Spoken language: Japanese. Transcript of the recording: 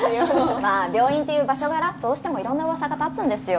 まあ病院っていう場所柄どうしてもいろんな噂が立つんですよ。